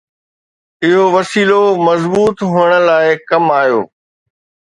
اهو وسيلو مضبوط هٿن لاءِ ڪم آيو.